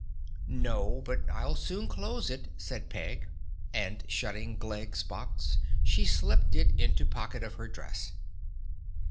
"No, but I'll soon close it," said Peg and, shutting Glegg's box, she slipped it into pocket of her dress.